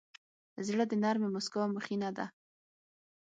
زړه د نرمې موسکا مخینه ده.